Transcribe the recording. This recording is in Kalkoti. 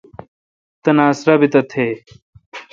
تناسہ رابط تھیں ۔